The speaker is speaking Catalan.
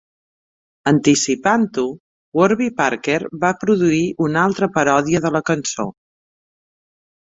Anticipant-ho, Warby Parker va produir una altra paròdia de la cançó.